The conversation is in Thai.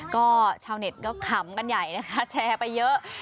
ก็ชาวเน็ตก็ขำกันใหญ่นะคะแชร์ไปเยอะ